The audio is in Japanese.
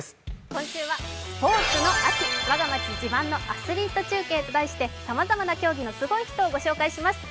今週はスポーツの秋我が町自慢のアスリート中継と題してさまざまな競技のすごい人を紹介します。